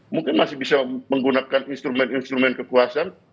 mungkin masih bisa menggunakan instrumen instrumen kekuasaan